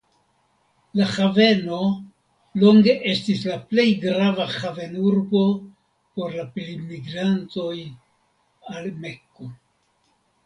La haveno longe estis la plej grava havenurbo por la pilgrimantoj al Mekko.